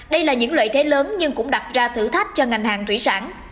đây là những lợi thế lớn nhưng cũng đặt ra thử thách cho ngành hàng thủy sản